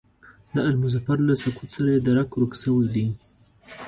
د آل مظفر له سقوط سره یې درک ورک شوی دی.